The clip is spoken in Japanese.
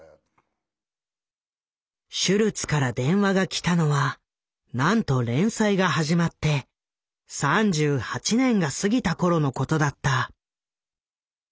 シュルツから電話が来たのはなんと連載が始まって３８年が過ぎた頃のことだった。